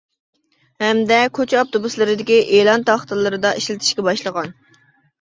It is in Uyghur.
ھەمدە كوچا ئاپتوبۇسلىرىدىكى ئېلان تاختىلىرىدا ئىشلىتىلىشكە باشلىغان.